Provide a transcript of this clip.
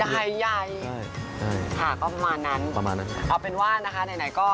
อ๋อใหญ่ใช่ก็ประมาณนั้นเอาเป็นว่านะคะไหนก็